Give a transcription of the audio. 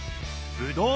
ぶどう！